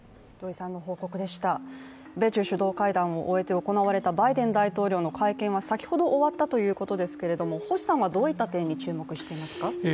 米中首脳会談を終えて行われたバイデン大統領の会見は先ほど終わったということですけども星さんはどういった点に注目していますか？